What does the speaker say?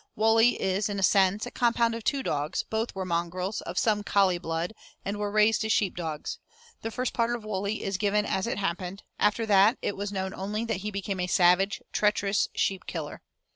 Wully is, in a sense, a compound of two dogs; both were mongrels, of some collie blood, and were raised as sheep dogs. The first part of Wully is given as it happened, after that it was known only that he became a savage, treacherous sheep killer.